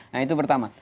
nah itu pertama